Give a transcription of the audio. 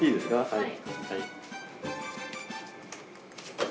はい。